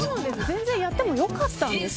全然やってもよかったんですよ。